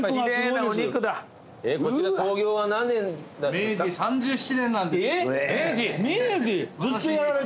こちら創業は何年なんですか？